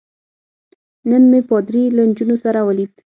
نن مې پادري له نجونو سره ولید.